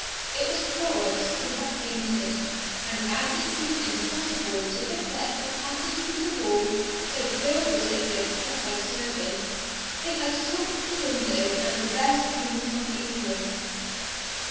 It was Florence, who had fainted, and as it seemed impossible to effect a passage through the hall, so filled was it with terrified servants, they had sought the window as the best means of egress.